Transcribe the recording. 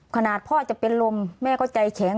ขนาดพ่อจะเป็นลมแม่ก็ใจแข็ง